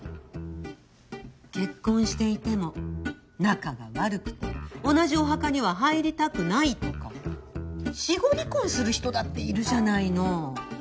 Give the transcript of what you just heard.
結婚していても仲が悪くて同じお墓には入りたくないとか死後離婚する人だっているじゃないの。